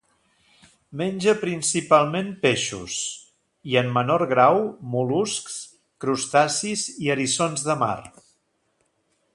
Menja principalment peixos i, en menor grau, mol·luscs, crustacis i eriçons de mar.